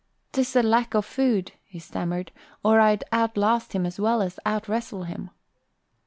"'Tis the lack of food," he stammered, "or I'd out last him as well as out wrestle him."